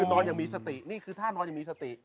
คือนอนอย่างมีสตินี่คือท่านอนอย่างมีสติ